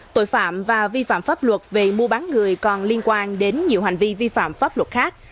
tội phạm và vi phạm pháp luật về mua bán người còn liên quan đến nhiều hành vi vi phạm pháp luật khác